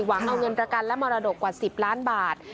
หวังเอาเงินประกันและมรดกว่า๑๐ล้านบาท